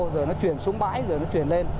rồi nó chuyển xuống bãi rồi nó chuyển lên